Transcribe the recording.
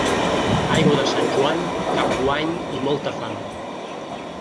Aigua de Sant Joan, cap guany i molta fam.